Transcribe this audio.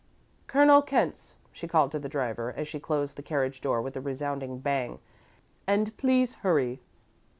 "Colonel Kent's," she called to the driver, as she closed the carriage door with a resounding bang, "and please hurry."